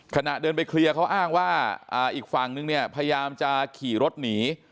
ขณะเดินไปเคลียร์เขาอ้างว่าอีกฝั่งนึงเนี่ยพยายามจะขี่รถหนี